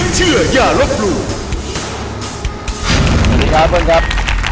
เชิญค่ะเปิ้ลครับ